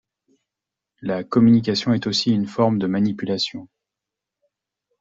La communication est aussi une forme de manipulation.